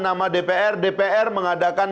nama dpr dpr mengadakan